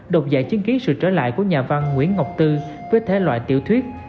đột dạy chứng ký sự trở lại của nhà văn nguyễn ngọc tư với thế loại tiểu thuyết